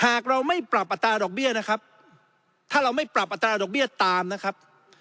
หากเราไม่ปรับอัตราดอกเบี้ยนะครับถ้าเราไม่ปรับอัตราดอกเบี้ยตามนะครับ